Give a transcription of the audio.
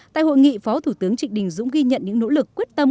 tại hội nghị phó thủ tướng trịnh đình dũng ghi nhận những nỗ lực quyết tâm